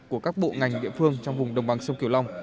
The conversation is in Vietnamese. của các bộ ngành địa phương trong vùng đồng bằng sông kiều long